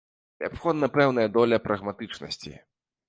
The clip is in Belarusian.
Неабходна пэўная доля прагматычнасці.